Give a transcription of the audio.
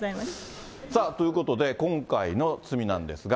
さあ、ということで、今回の罪なんですが。